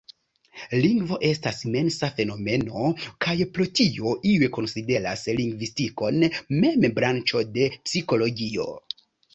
Lingvo estas mensa fenomeno, kaj pro tio iuj konsideras lingvistikon mem branĉo de psikologio.